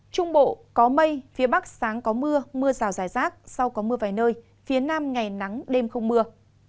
trung bộ có mây phía bắc sáng có mưa mưa rào rải rác sau có mưa vài nơi phía nam ngày nắng đêm không mưa